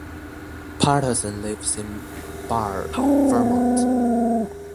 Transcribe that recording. Paterson lives in Barre, Vermont.